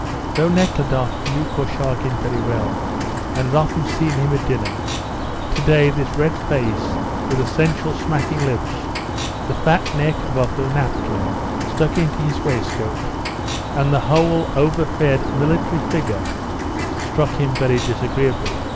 Though Nekhludoff knew Korchagin very well, and had often seen him at dinner, to day this red face with the sensual smacking lips, the fat neck above the napkin stuck into his waistcoat, and the whole over fed military figure, struck him very disagreeably.